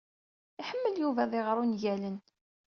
Iḥemmel Yuba ad iɣeṛ ungalen.